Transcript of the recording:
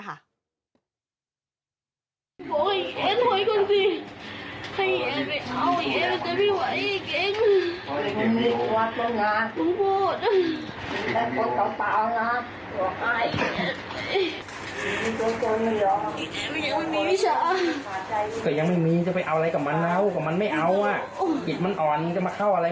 พี่พี่มึงจะมองเห็นป่ะมึงอยากมาแกล้งกูมึงก็รู้ว่ากูชอบกินอะไร